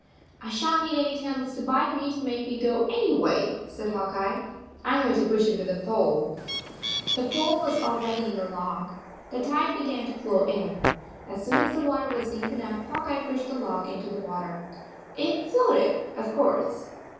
" I shan t need any turtles to bite me to make me go anyway," said Hawk Eye. 41 I m going to push it with a pole." H3 The pole was already in the log. The tide began to flow in. As soon as the water was deep enough Hawk Eye pushed the log into the water. It floated, of course.